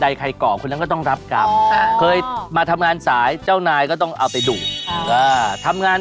เดือนพฤษภาคมวิตกนางสีดาลงทันหันุมาน